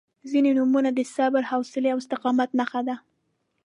• ځینې نومونه د صبر، حوصلې او استقامت نښه ده.